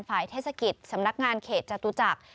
เทศกิจสำนักงานเขตจตุจักร